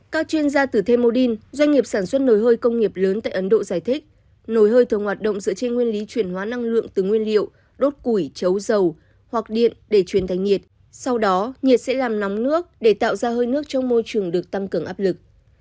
các chuyên gia từ the modin doanh nghiệp sản xuất nồi hơi công nghiệp lớn tại ấn độ giải thích nồi hơi thường hoạt động dựa trên nguyên lý chuyển hóa năng lượng từ nguyên liệu đốt củi chấu dầu hoặc điện để chuyển thành nhiệt sau đó nhiệt sẽ làm nóng nước để tạo ra hơi nước trong môi trường được tăng cường áp lực